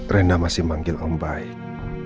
rena masih manggil om baik